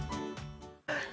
sosok ketua ketua ketua